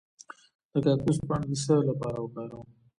د کاکتوس پاڼې د څه لپاره وکاروم؟